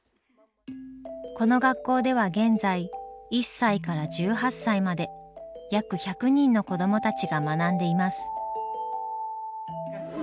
この学校では現在１歳から１８歳まで約１００人の子どもたちが学んでいます。